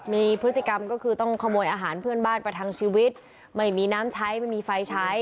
มีพฤติกรรมก็คือต้องขโมยอาหารเพื่อนบ้านประทังชีวิตไม่มีน้ำใช้ไม่มีไฟใช้